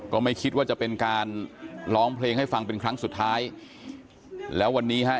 ก็ไม่คิดว่าจะเป็นการร้องเพลงให้ฟังเป็นครั้งสุดท้ายแล้ววันนี้ฮะ